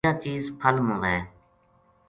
یاہ چیز پھل ما وھے